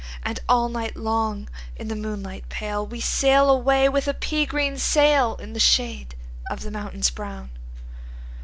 And all night long, in the moonlight pale, We sail away with a pea green sailIn the shade of the mountains brown."